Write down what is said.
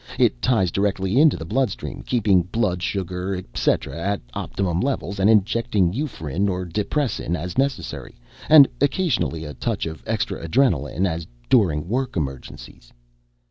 It ties directly into the bloodstream, keeping blood, sugar, et cetera, at optimum levels and injecting euphrin or depressin as necessary and occasionally a touch of extra adrenaline, as during work emergencies."